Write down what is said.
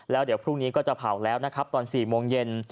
แล้วเดี๋ยวพรุ่งนี้ก็จะเผาแล้วนะครับตอน๔โมงเย็น